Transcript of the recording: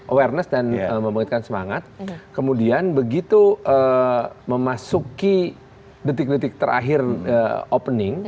awareness dan membangkitkan semangat kemudian begitu memasuki detik detik terakhir opening